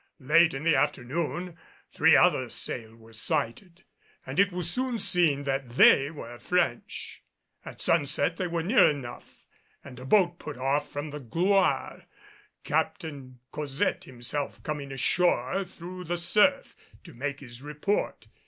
Late in the afternoon three other sail were sighted, and it was soon seen that they were French. At sunset they were near enough and a boat put off from the Gloire, Captain Cosette himself coming ashore through the surf to make his report.